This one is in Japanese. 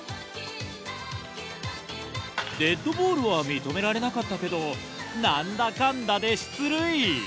デッドボールは認められなかったけど何だかんだで出塁。